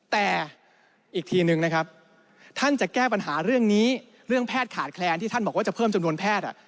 แต่อีกทีนึงนะครับท่านจะแก้ปัญหาเรื่องนี้เรื่องแพทย์ขาดแคลนที่ท่านบอกว่าจะเพิ่มจำนวนแพทย์